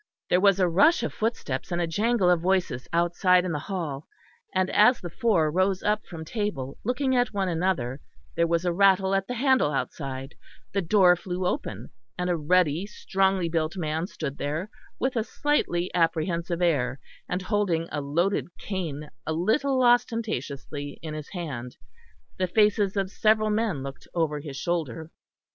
There was a rush of footsteps and a jangle of voices outside in the hall; and as the four rose up from table, looking at one another, there was a rattle at the handle outside, the door flew open, and a ruddy strongly built man stood there, with a slightly apprehensive air, and holding a loaded cane a little ostentatiously in his hand; the faces of several men looked over his shoulder.